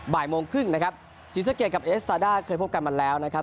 บ่ายโมงครึ่งนะครับศรีสะเกดกับเอสตาด้าเคยพบกันมาแล้วนะครับ